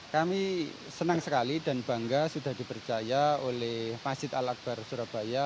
kami senang sekali dan bangga sudah dipercaya oleh masjid al akbar surabaya